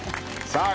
さあ